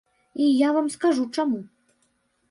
І я вам скажу чаму.